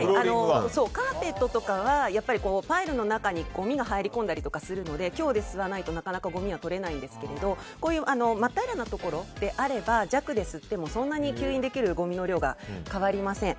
カーペットとかはパイルの中にごみが入り込んだりするので強で吸わないと、なかなかごみは吸えないんですけど真っ平らなところであれば弱で吸ってもそんなに吸引できるごみの量は変わりません。